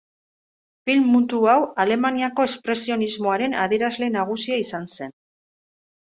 Film mutu hau Alemaniako Espresionismoaren adierazle nagusia izan zen.